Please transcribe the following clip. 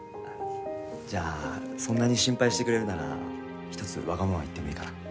じゃあそんなに心配してくれるなら一つわがまま言ってもいいかな？